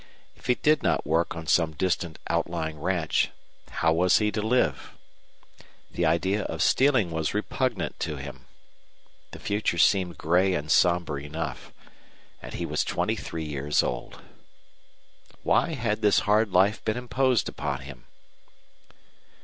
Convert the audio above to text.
If he did not work on some distant outlying ranch, how was he to live? The idea of stealing was repugnant to him. The future seemed gray and somber enough. And he was twenty three years old. Why had this hard life been imposed upon him?